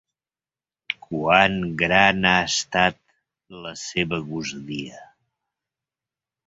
Quant gran ha estat la seva gosadia.